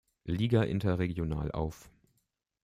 Liga interregional auf.